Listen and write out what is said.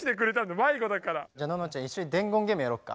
じゃあののちゃん一緒に伝言ゲームやろっか。